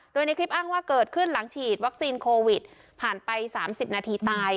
โดยในคลิปอ้างว่าเกิดขึ้นหลังฉีดวัคซีนโควิดผ่านไป๓๐นาทีตาย